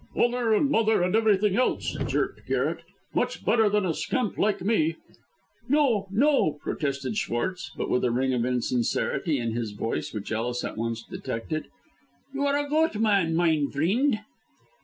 "Father and mother and everything else," jerked Garret. "Much better than a scamp like me." "No, no," protested Schwartz, but with a ring of insincerity in his voice, which Ellis at once detected. "You are a goot man, mein frind."